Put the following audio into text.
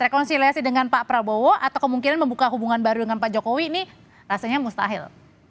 rekonsiliasi dengan pak prabowo atau kemungkinan membuka hubungan baru dengan pak jokowi ini rasanya mustahil